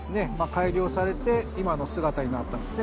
改良されて今の姿になったんですね。